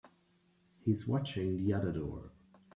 He's watching the other door.